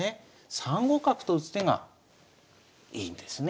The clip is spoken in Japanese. ３五角と打つ手がいいんですね。